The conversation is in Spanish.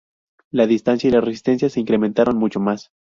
La distancia y la resistencia se incrementaron mucho más.